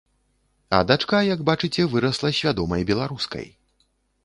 А дачка, як бачыце, вырасла свядомай беларускай.